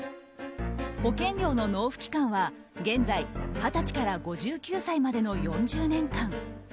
保険料の納付期間は、現在二十歳から５９歳までの４０年間。